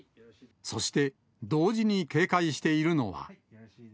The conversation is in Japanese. そして同時に警戒しているのは。